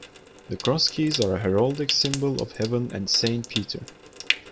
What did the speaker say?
The Cross Keys are a heraldic symbol of Heaven and Saint Peter.